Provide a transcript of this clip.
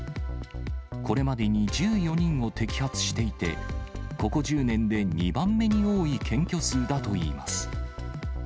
これまでに１４人を摘発していて、ここ１０年で２番目に多い検挙数だといいます。